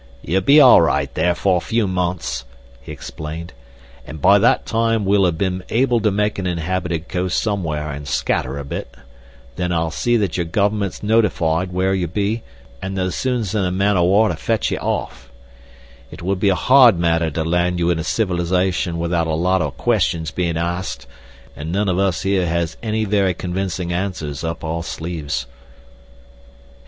"You'll be all right there for a few months," he explained, "and by that time we'll have been able to make an inhabited coast somewhere and scatter a bit. Then I'll see that yer gover'ment's notified where you be an' they'll soon send a man o'war to fetch ye off. "It would be a hard matter to land you in civilization without a lot o' questions being asked, an' none o' us here has any very convincin' answers up our sleeves."